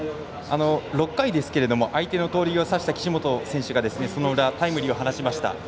６回ですけれども相手の盗塁を刺した岸本選手がその裏、タイムリーを放ちました。